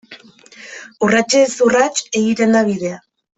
Urratsez urrats egiten da bidea.